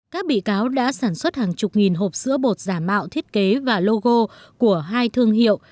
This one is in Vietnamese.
các bị cáo đã sản xuất hàng chục nghìn hộp sữa bột giả mạo thiết kế và logo của hai thương hiệu